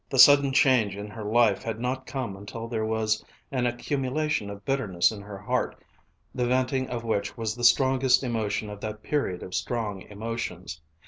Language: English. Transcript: The sudden change in her life had not come until there was an accumulation of bitterness in her heart the venting of which was the strongest emotion of that period of strong emotions.